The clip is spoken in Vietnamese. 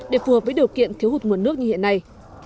để phù hợp với điều kiện thiếu hụt nguồn nước như hiện nay